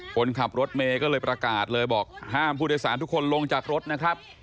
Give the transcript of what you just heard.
คนขับรถเมย์ก็เลยประกาศเลยบอกห้ามผู้โดยสารทุกคนลงจากรถนะครับ